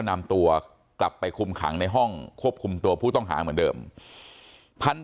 นำตัวกลับไปคุมขังในห้องควบคุมตัวผู้ต้องหาเหมือนเดิมพัน